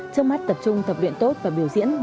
trước mắt tập trung tập luyện tốt và biểu diễn